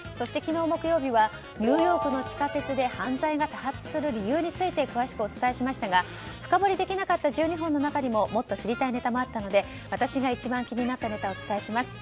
木曜日はニューヨークの地下鉄で犯罪が多発する理由について詳しくお伝えしましたが深掘りできなかった１２本の中にももっと知りたいネタもあったので私が一番気になったネタをお伝えします。